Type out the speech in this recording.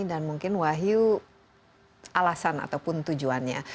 dan mungkin wahyu alasan ataupun tujuannya